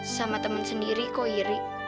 sama teman sendiri kok iri